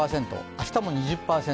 明日も２０％。